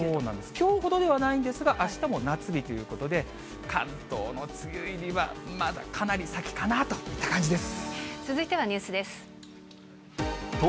きょうほどではないんですが、あしたも夏日ということで、関東の梅雨入りは、まだかなり先かなぁといった感じです。